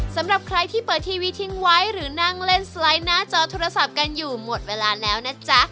สำหรับใครที่เปิดทีวีทิ้งไว้หรือนั่งเล่นสไลด์หน้าจอโทรศัพท์กันอยู่หมดเวลาแล้วนะจ๊ะ